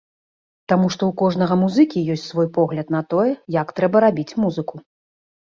Таму што ў кожнага музыкі ёсць свой погляд на тое, як трэба рабіць музыку.